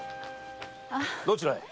どちらに？